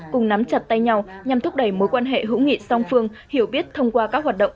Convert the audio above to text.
cùng nắm chặt tay nhau nhằm thúc đẩy mối quan hệ hữu nghị song phương hiểu biết thông qua các hoạt động